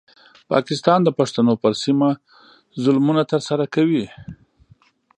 پاکستان د پښتنو پر سیمه ظلمونه ترسره کوي.